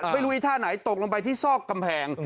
ไอ้ท่าไหนตกลงไปที่ซอกกำแพง